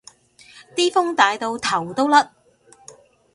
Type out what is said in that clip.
啲風大到頭都甩